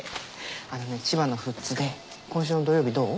あのね千葉の富津で今週の土曜日どう？